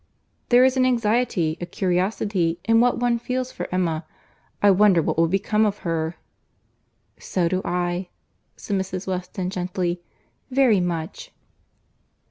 There is an anxiety, a curiosity in what one feels for Emma. I wonder what will become of her!" "So do I," said Mrs. Weston gently, "very much."